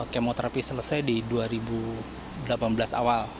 kemoterapi selesai di dua ribu delapan belas awal